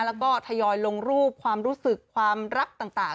แล้วก็ทยอยลงรูปความรู้สึกความรักต่าง